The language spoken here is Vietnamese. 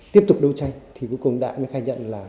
tiếp tục đấu tranh thì cuối cùng đại mới khai nhận là